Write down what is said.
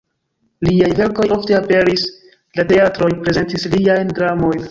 Liaj verkoj ofte aperis, la teatroj prezentis liajn dramojn.